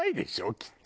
きっと。